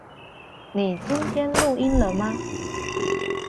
你今天錄音了嗎？